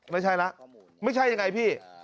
ไม่ใช่แล้วไม่ใช่ยังไงพี่